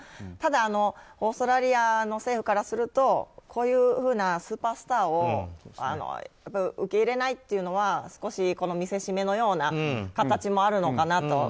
ただ、オーストラリアの政府からするとこういうふうなスーパースターを受け入れないというのは少し見せしめのような形もあるのかなと。